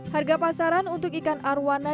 harga pasaran untuk ikan arowana